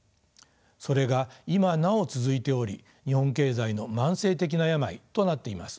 それが今なお続いており日本経済の慢性的な病となっています。